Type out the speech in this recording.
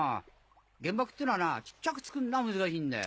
原爆ってのはな小っちゃく造るのが難しいんだよ。